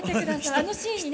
あのシーンにね